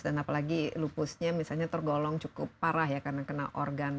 dan apalagi lupusnya misalnya tergolong cukup parah ya karena kena organ